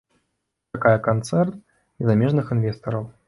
Чакае канцэрн і замежных інвестараў.